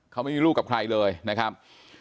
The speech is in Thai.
เขาไม่มีลูกกับใครเลยนะครับ